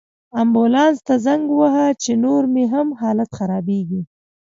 امبولانس ته زنګ ووهه، چې نور مې هم حالت خرابیږي